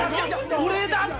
俺だって！